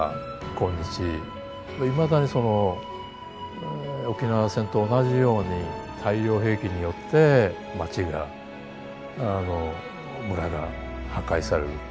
今日いまだにその沖縄戦と同じように大量兵器によって町が村が破壊される。